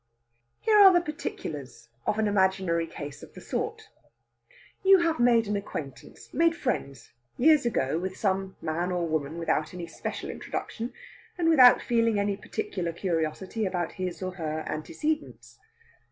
Here are the particulars of an imaginary case of the sort. You have made acquaintance made friends years ago with some man or woman without any special introduction, and without feeling any particular curiosity about his or her antecedents.